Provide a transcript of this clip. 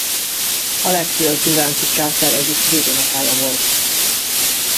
Alexiosz bizánci császár egyik dédunokája volt.